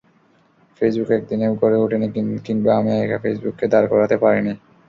Facebook একদিনে গড়ে ওঠেনি কিংবা আমি একা ফেসবুককে দাঁড় করাতে পারিনি।